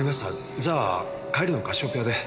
じゃあ帰りのカシオペアで。